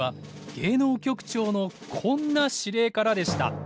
芸能局長のこんな指令からでした。